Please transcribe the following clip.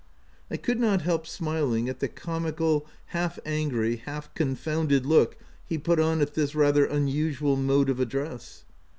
5 ' I could not help smiling at the comical, half angry, half confounded look he put on at this rather unusual mode of address.